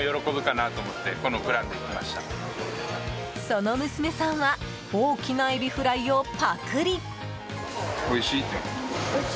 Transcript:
その娘さんは大きなエビフライをパクリ。